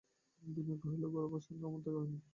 বিনয় কহিল, গোরার সঙ্গে আমার দেখা হয় নি।